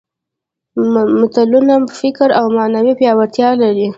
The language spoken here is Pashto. متلونه فکري او معنوي پياوړتیا لري